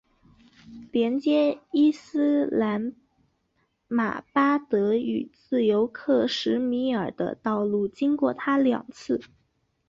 连接伊斯兰马巴德与自由克什米尔的道路经过它两次。